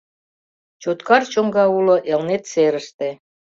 Чоткар чоҥга уло Элнет серыште.